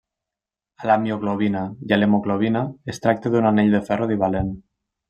A la mioglobina i a l’hemoglobina, es tracta d’un anell de ferro divalent.